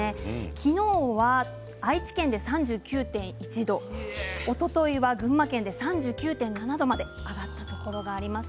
昨日は愛知県で３９．１度おとといは群馬県で３９．７度まで上がったところがあります。